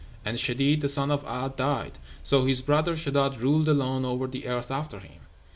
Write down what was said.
And Shedeed the son of 'A'd died, so his brother Sheddád ruled alone over the earth after him.